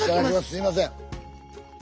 すいません。